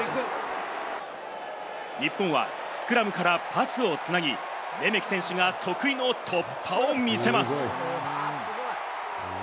日本はスクラムからパスを繋ぎ、レメキ選手が得意の突破を見せます。